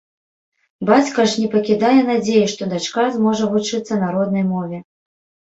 Бацька ж не пакідае надзеі, што дачка зможа вучыцца на роднай мове.